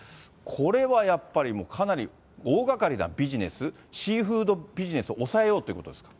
これはやっぱりもうかなり大がかりなビジネス、シーフードビジネスを抑えようっていうことですか？